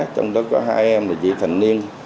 trong đó có hai em là dị phần niên